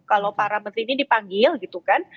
kalau para menteri ini dipanggil gitu kan